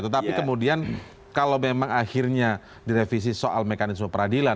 tetapi kemudian kalau memang akhirnya direvisi soal mekanisme peradilan